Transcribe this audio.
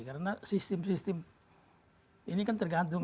karena sistem sistem ini kan tergantung